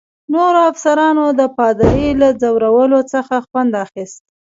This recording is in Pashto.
نورو افسرانو د پادري له ځورولو څخه خوند اخیست.